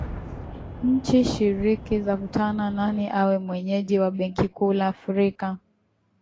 Nchi shiriki zavutana nani awe mwenyeji wa benki kuu la Afrika Mashariki